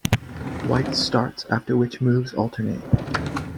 White starts, after which moves alternate.